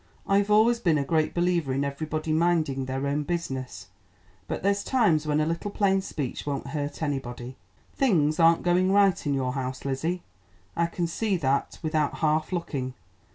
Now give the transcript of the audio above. "I've always been a great believer in everybody minding their own business, but there's times when a little plain speech won't hurt anybody. Things aren't going right in your house, Lizzie; I can see that without half looking.